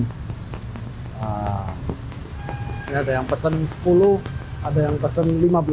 ini ada yang pesen sepuluh ada yang pesen lima belas